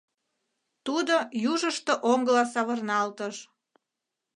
Тудо южышто оҥгыла савырналтыш.